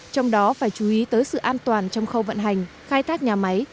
trong đó phải chú ý tới sự an toàn trong khâu vận hành khai thác nhà máy